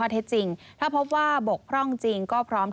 เทจริงถ้าเพราะว่าบกพร่องจริงก็พร้อมที่